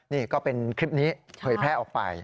นี่ก็เป็นคลิปนี้เผยแพร่ออกไป